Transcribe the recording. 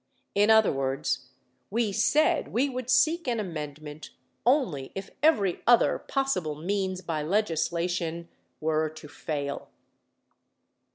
In other words, we said we would seek an amendment only if every other possible means by legislation were to fail.